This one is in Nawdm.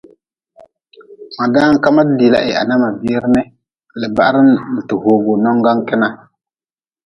Ma dan ka madi diila heha na ma biir ni le bahrn ti hogu nongan kena.